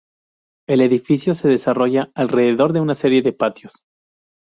El edificio se desarrolla alrededor de una serie de patios.